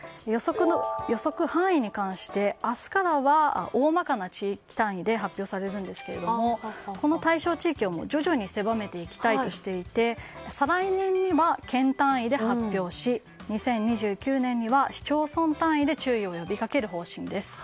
予測範囲に関して明日からは大まかな地域単位で発表されるんですがこの対象地域は徐々に狭めていきたいとしていて再来年には県単位で発表し２０２９年には市町村単位で注意を呼びかける方針です。